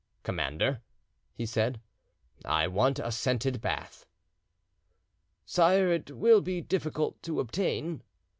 "Commander," he said, "I want a scented bath." "Sire, it will be difficult to obtain."